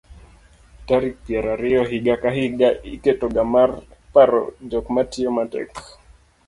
tarik piero ariyo higa ka higa iketoga mar paro jok matiyo matek